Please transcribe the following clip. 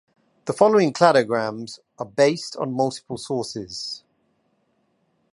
The following cladograms are based on multiple sources.